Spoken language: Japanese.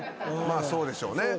まあそうでしょうね。